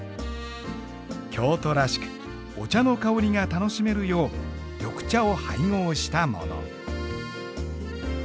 京都らしくお茶の香りが楽しめるよう緑茶を配合したもの。